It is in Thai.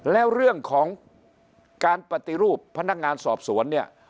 แล้วเรื่องของการปฏิรูปพนักงานสอบสวนเนี่ย